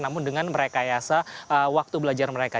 namun dengan merekayasa waktu belajar mereka